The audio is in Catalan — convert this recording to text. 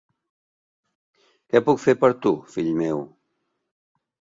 Què puc fer per tu, fill meu?